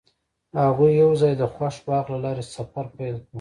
هغوی یوځای د خوښ باغ له لارې سفر پیل کړ.